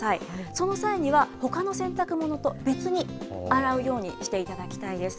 その際には、ほかの洗濯物と別に洗うようにしていただきたいです。